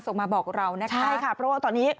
มาบอกเรานะคะใช่ค่ะเพราะว่าตอนนี้